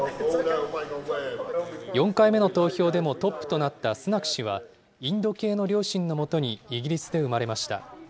４回目の投票でもトップとなったスナク氏は、インド系の両親のもとに、イギリスで生まれました。